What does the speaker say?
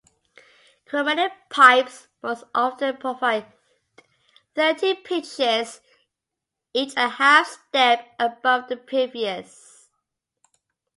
Chromatic pipes most often provide thirteen pitches, each a half step above the previous.